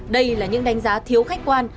đây là những đánh giá thiếu khách quan